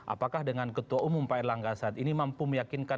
apakah dengan ketua umum pak erlangga saat ini mampu mengembalikan kondisi ini